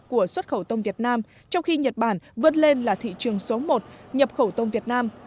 của xuất khẩu tôm việt nam trong khi nhật bản vươn lên là thị trường số một nhập khẩu tôm việt nam